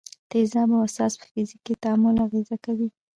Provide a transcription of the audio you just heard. تیزاب او اساس په فزیکي تعامل اغېزه کوي.